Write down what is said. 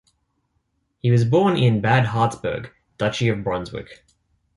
He was born in Bad Harzburg, Duchy of Brunswick.